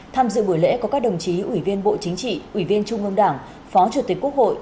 tham dự buổi lễ có các đồng chí ủy viên bộ chính trị ủy viên trung ương đảng phó chủ tịch quốc hội